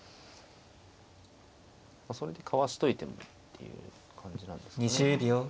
それでかわしといてもっていう感じなんですかね。